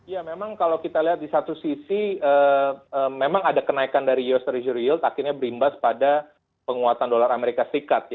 ya memang kalau kita lihat di satu sisi memang ada kenaikan dari us treasuryield akhirnya berimbas pada penguatan dolar amerika serikat